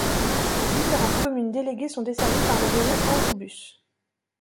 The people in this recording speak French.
Les différentes communes délégués sont desservies par le réseau AnjouBus.